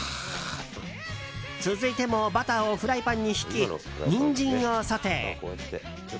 続いてもバターをフライパンにひきニンジンをソテー。